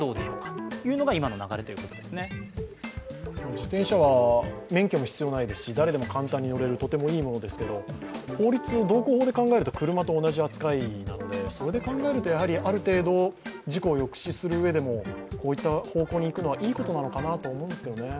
自転車は免許が必要でないですし、誰でも簡単に乗れるとてもいいものですけども法律、道交法で考えると、車と同じ扱いなのでそれで考えるとある程度、事故を抑止する上でもこういった方向に行くのはいいことなのかなと思うんですけどね。